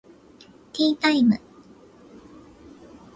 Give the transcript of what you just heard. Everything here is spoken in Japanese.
ティータイム